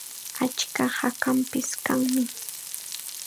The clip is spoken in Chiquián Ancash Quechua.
Achka hakanpis kanmi.